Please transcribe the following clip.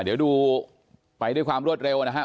เดี๋ยวดูไปด้วยความรวดเร็วนะครับ